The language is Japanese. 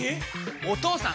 お義父さん！